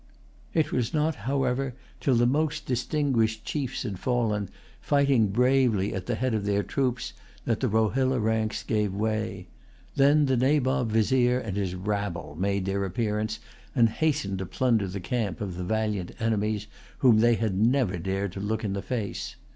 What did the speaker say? It was not, however, till the most distinguished[Pg 142] chiefs had fallen, fighting bravely at the head of their troops, that the Rohilla ranks gave way. Then the Nabob Vizier and his rabble made their appearance, and hastened to plunder the camp of the valiant enemies, whom they had never dared to look in the face.